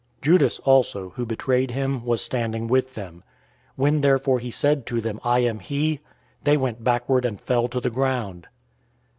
Judas also, who betrayed him, was standing with them. 018:006 When therefore he said to them, "I am he," they went backward, and fell to the ground.